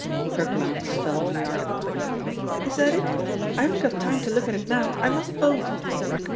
Her glance fell on the article. "Is that it? I haven't got time to look at it now — I must bolt."